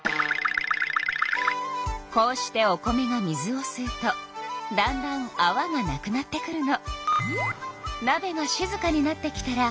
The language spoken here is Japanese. こうしてお米が水をすうとだんだんあわがなくなってくるの。